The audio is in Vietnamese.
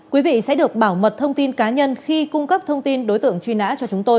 quý vị sẽ được bảo mật thông tin cá nhân khi cung cấp thông tin đối tượng truy nã cho chúng tôi